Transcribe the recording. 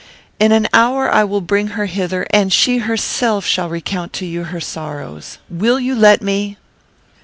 In an hour I will bring her hither, and she herself shall recount to you her sorrows. Will you let me?"